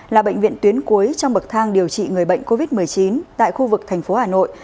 là bệnh viện tuyến cuối trong bậc thang điều trị người bệnh covid một mươi chín tại khu vực thành phố hà nội